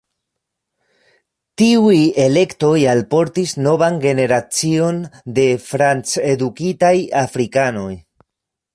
Tiuj elektoj alportis novan generacion de franc-edukitaj afrikanoj.